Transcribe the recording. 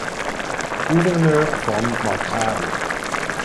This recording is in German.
Gouverneur von Macau.